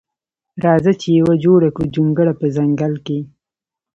راځه چې یوه جوړه کړو جونګړه په ځنګل کښې